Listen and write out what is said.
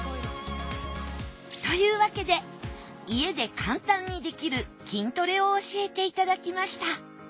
というわけで家で簡単にできる筋トレを教えていただきました